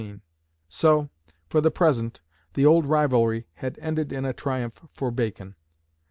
So, for the present, the old rivalry had ended in a triumph for Bacon.